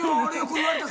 ・「言われたの？」